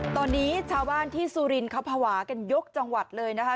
ตอนนี้ชาวบ้านที่สุรินทร์เขาภาวะกันยกจังหวัดเลยนะคะ